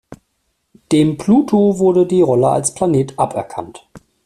Dem Pluto wurde die Rolle als Planet aberkannt.